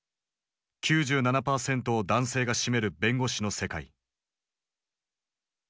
９７％を男性が占める弁護士の世界。